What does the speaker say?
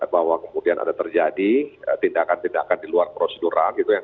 bahwa kemudian ada terjadi tindakan tindakan di luar prosedural